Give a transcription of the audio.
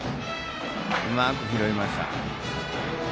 うまく拾いました。